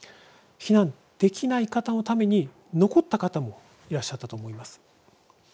避難できない方のために残った方もいらっしゃったと思います。